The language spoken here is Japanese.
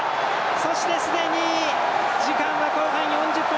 そして、すでに時間は後半は４０分。